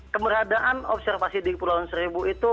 kemberadaan observasi di pulau seribu itu